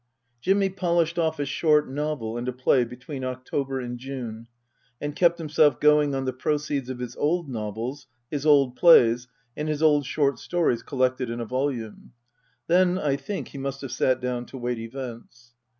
Jimmy polished off a short novel and a play between October and June and kept himself going on the pro ceeds of his old novels, his old plays, and his old short stories collected in a volume. Then I think he must have sat down to wait events.